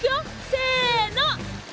せの。